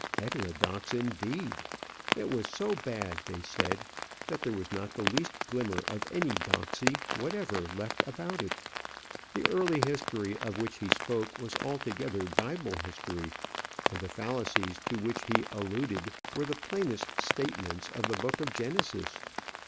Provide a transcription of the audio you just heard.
Heterodox, indeed! It was so bad, they said, that there was not the least glimmer of any doxy whatever left about it. The early history of which he spoke was altogether Bible history, and the fallacies to which he alluded were the plainest statements of the book of Genesis.